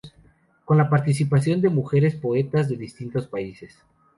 Con la participación de mujeres poetas de distintos países.